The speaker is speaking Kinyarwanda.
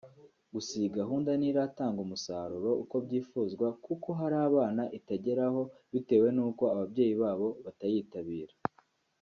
Gusa iyi gahunda ntiratanga umusaruro uko byifuzwa kuko hari abana itageraho bitewe n’uko ababyeyi babo batayitabira